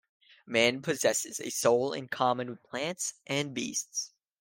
Man possesses a soul in common with plants and beasts.